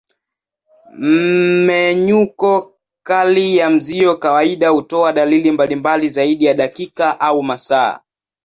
Mmenyuko kali ya mzio kawaida hutoa dalili mbalimbali zaidi ya dakika au masaa.